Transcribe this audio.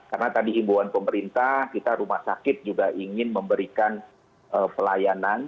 karena tadi himbauan pemerintah kita rumah sakit juga ingin memberikan pelayanan